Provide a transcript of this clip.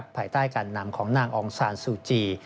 ภายใต้การนำของนางองซานซูจี